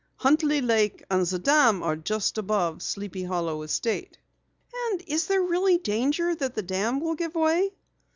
Huntley Lake and the dam are just above Sleepy Hollow estate." "And is there really danger that the dam will give way?"